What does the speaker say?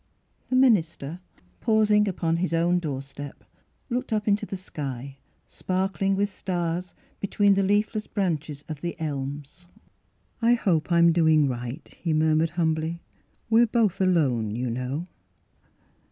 The minister, . pausing upon his own door step, looked up into the sky, sparkling with stars between the leafless branches of the elms. " I hope I'm doing right," he mur mured humbly. " We're both alone, you know."